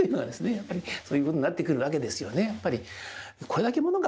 やっぱりそういうことになってくるわけですよね。